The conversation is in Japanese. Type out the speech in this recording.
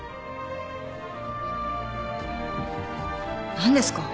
何ですか？